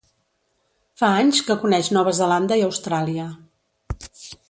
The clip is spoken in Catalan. Fa anys que coneix Nova Zelanda i Austràlia.